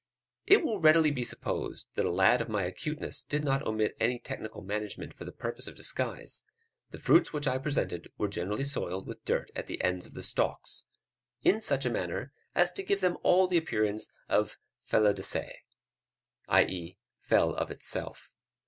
It will readily be supposed that a lad of my acuteness did not omit any technical management for the purpose of disguise; the fruits which I presented were generally soiled with dirt at the ends of the stalks, in such a manner as to give them all the appearance of "felo de se," i.e. fell of itself.